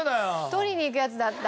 取りに行くやつだった。